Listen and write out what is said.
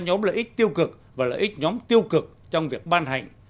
nhóm lợi ích tiêu cực và lợi ích nhóm tiêu cực trong việc ban hành